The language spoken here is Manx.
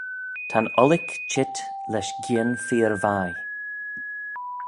Ta'n ollick cheet lesh gien feer vie.